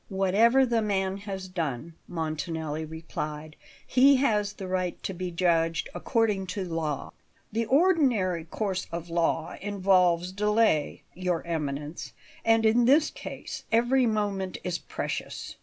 "Whatever the man has done," Montanelli replied, "he has the right to be judged according to law." "The ordinary course of law involves delay, Your Eminence, and in this case every moment is precious.